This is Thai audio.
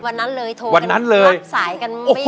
วันนั้นเลยโทรกันรับสายกันไปอีกวัน